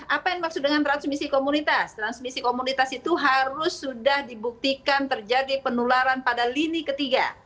apa yang dimaksud dengan transmisi komunitas transmisi komunitas itu harus sudah dibuktikan terjadi penularan pada lini ketiga